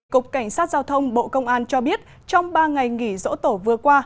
cục cảnh sát giao thông bộ công an cho biết trong ba ngày nghỉ dỗ tổ vừa qua